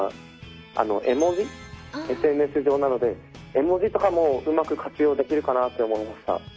ＳＮＳ上なので絵文字とかもうまく活用できるかなって思いました。